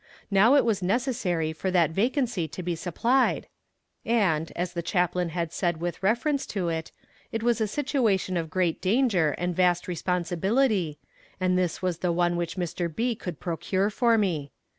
Now it was necessary for that vacancy to be supplied, and, as the Chaplain had said with reference to it, it was a situation of great danger and vast responsibility, and this was the one which Mr. B. could procure for me.